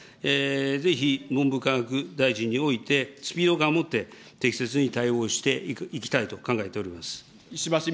ぜひ文部科学大臣において、スピード感を持って適切に対応していきたいと考えております。